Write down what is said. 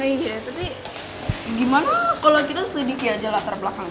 iya tapi gimana kalo kita selidiki aja latar belakangnya